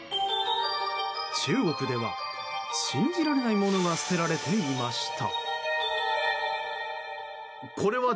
中国では信じられないものが捨てられていました。